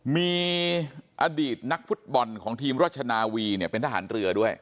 มีอดีตนักฟุตบอลของทีมราชนาวีเนี่ยเป็นทหารเรือด้วย